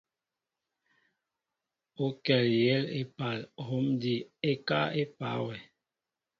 O kɛl yɛɛ epal hom adina ekáá epa wɛ.